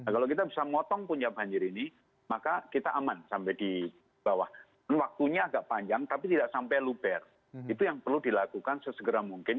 kalau kita bisa motong puncak banjir ini maka kita aman sampai di bawah waktunya agak panjang tapi tidak sampai luber itu yang perlu dilakukan sesegera mungkin